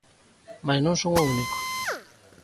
Mais non son o único.